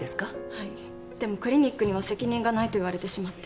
はいでもクリニックには責任がないと言われてしまって。